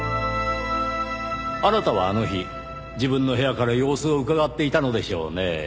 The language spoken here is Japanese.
あなたはあの日自分の部屋から様子をうかがっていたのでしょうねぇ。